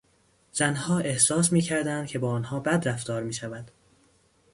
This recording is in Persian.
زنها احساس میکردند که با آنها بد رفتار میشود.